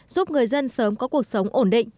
giúp người dân sớm có cuộc sống ổn định